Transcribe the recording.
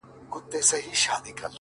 سیاه پوسي ده، ژوند تفسیرېږي،